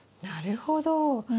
なるほど。